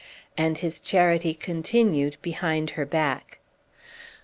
And his charity continued behind her back.